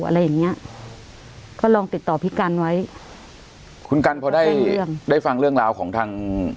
อะไรอย่างเงี้ยก็ลองติดต่อพี่กันไว้คุณกันพอได้ได้ฟังเรื่องราวของทาง